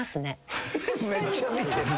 めっちゃ見てる。